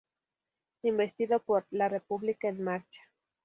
Investido por "¡La República En Marcha!